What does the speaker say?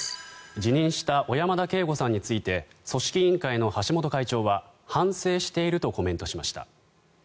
辞任した小山田圭吾さんについて組織委員会の橋本会長は反省しているとコメントしました。